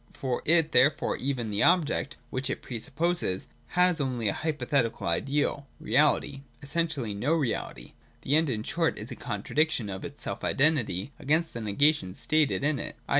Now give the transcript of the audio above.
For it therefore even 344 THE DOCTRINE OF THE NOTION. [204. the object, which it pre supposes, has only hypothetical (ideal) reality, — essentially no reality. The End in short is a contradiction of its self identity against the negation stated in it, i.e.